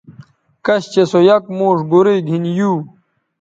کش چہء سو یک موݜ گورئ گِھن یو